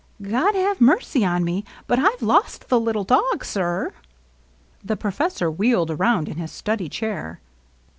^^ God have mercy on me, but I 've lost the little dog, sir !" The professor wheeled around in his study chair.